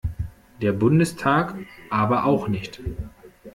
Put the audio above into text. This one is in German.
Der Bundestag aber auch nicht.